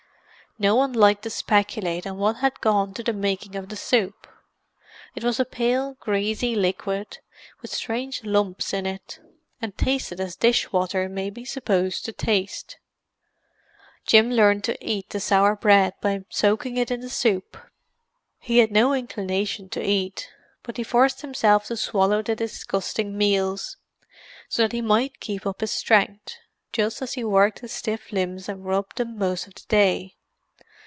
No one liked to speculate on what had gone to the making of the soup; it was a pale, greasy liquid, with strange lumps in it, and tasted as dish water may be supposed to taste. Jim learned to eat the sour bread by soaking it in the soup. He had no inclination to eat, but he forced himself to swallow the disgusting meals, so that he might keep up his strength, just as he worked his stiff limbs and rubbed them most of the day.